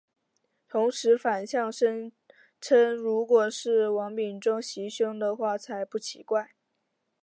同时反呛声称如果是王炳忠袭胸的话才不奇怪。